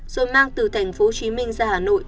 rồi mang từ tp hcm ra hà nội